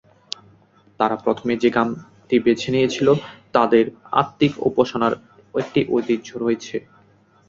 তারা প্রথমে যে গ্রামটি বেছে নিয়েছিল, তাদের আত্মিক উপাসনার একটি ঐতিহ্য রয়েছে।